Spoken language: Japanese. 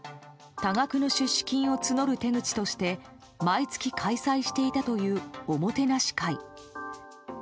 多額の出資金を募る手口として毎月開催していたというおもてなし会。